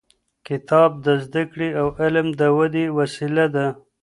کتاب د زده کړې او علم د ودې وسیله ده.